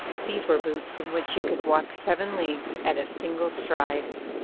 (These were boots in which you could walk seven leagues at a single stride.)